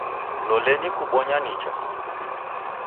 Lolenyi kubonya nicha